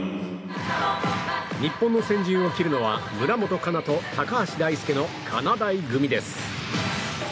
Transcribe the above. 日本の先陣を切るのは村元哉中と高橋大輔のかなだい組です。